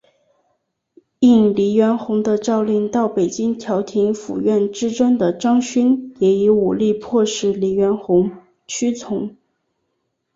应黎元洪的召令到北京调停府院之争的张勋也以武力迫使黎元洪屈从。